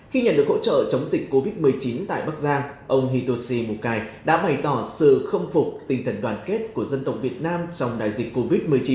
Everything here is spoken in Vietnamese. khi nhận được hỗ trợ chống dịch covid một mươi chín tại bắc giang ông hitoshi mokai đã bày tỏ sự khâm phục tinh thần đoàn kết của dân tộc việt nam trong đại dịch covid một mươi chín